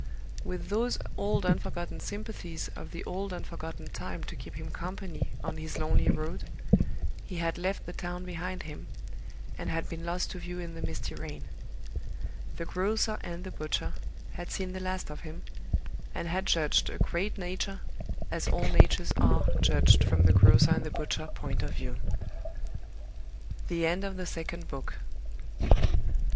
With those old unforgotten sympathies of the old unforgotten time to keep him company on his lonely road, he had left the town behind him, and had been lost to view in the misty rain. The grocer and the butcher had seen the last of him, and had judged a great nature, as all natures are judged from the grocer and the butcher point of view. THE END OF THE SECOND BOOK.